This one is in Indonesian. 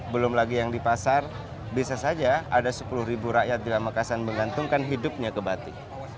belum lagi yang di pasar bisa saja ada sepuluh ribu rakyat di pamekasan menggantungkan hidupnya ke batik